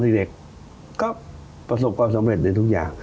เด็กก็ประสบความสำเร็จในทุกอย่าง